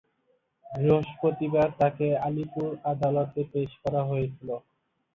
বৃহস্পতিবার তাঁকে আলিপুর আদালতে পেশ করা হয়েছিল।